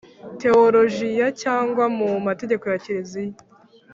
Tewolojiya cyangwa mu Mategeko ya Kiliziya